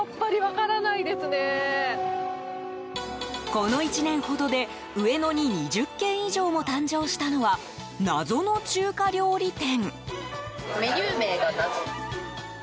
この１年ほどで、上野に２０軒以上も誕生したのは謎の中華料理店。